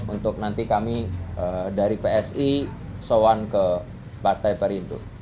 untuk nanti kami dari psi sewan ke partai perindu